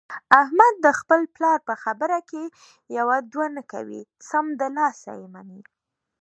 احمد د خپل پلار په خبره کې یوه دوه نه کوي، سمدلاسه یې مني.